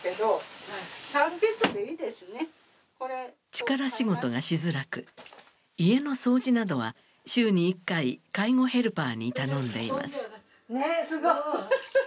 力仕事がしづらく家の掃除などは週に１回介護ヘルパーに頼んでいます。